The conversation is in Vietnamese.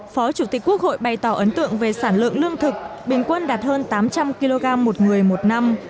phó chủ tịch quốc hội bày tỏ ấn tượng về sản lượng lương thực bình quân đạt hơn tám trăm linh kg một người một năm